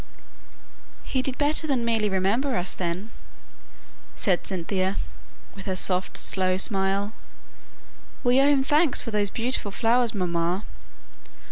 "He did better than merely remember us then," said Cynthia, with her soft slow smile. "We owe him thanks for those beautiful flowers, mamma."